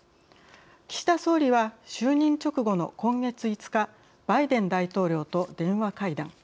岸田総理は就任直後の今月５日バイデン大統領と電話会談。